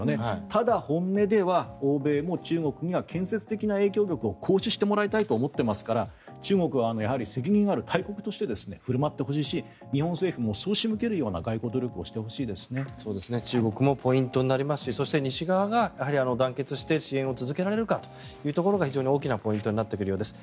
ただ、本音では欧米も中国には建設的な影響力を行使してもらいたいと思っていますから中国は責任ある大国として振る舞ってほしいし日本政府も外交努力を中国もポイントになりますしそして西側が団結して支援を続けられるかが大きなポイントになってくるようです。